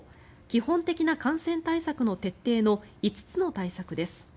基本的な感染対策の徹底の５つの対策です。